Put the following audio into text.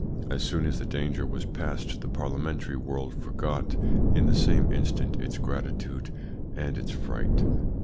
As soon as the danger was passed the parliamentary world forgot in the same instant its gratitude and its fright."